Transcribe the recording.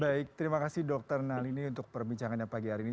baik terima kasih dokter nalini untuk perbincangannya pagi hari ini